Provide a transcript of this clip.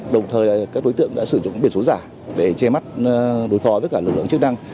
đồng thời các đối tượng đã sử dụng biển số giả để che mắt đối phó với cả lực lượng chức năng